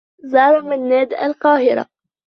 زار منّاد القاهرة.